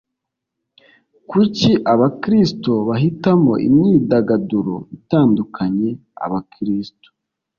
kuki abakristo bahitamo imyidagaduro itandukanye abakristo